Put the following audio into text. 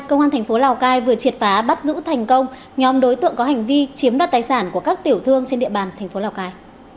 công an thành phố lào cai vừa triệt phá bắt giữ thành công nhóm đối tượng có hành vi chiếm đoạt tài sản của các tiểu thương trên địa bàn thành phố lào cai